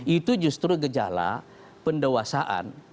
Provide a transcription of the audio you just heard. itu justru gejala pendewasaan